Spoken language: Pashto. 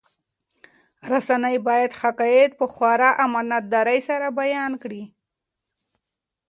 رسنۍ باید حقایق په خورا امانتدارۍ سره بیان کړي.